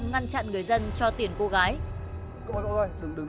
mày thích đây không ai đâu